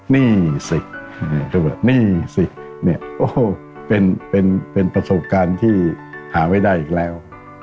นี่สินี่สิโอ้โฮเป็นประสบการณ์ที่หาไม่ได้อีกแล้ว